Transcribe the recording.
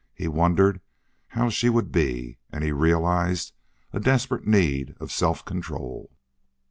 He wondered how she would be, and he realized a desperate need of self control.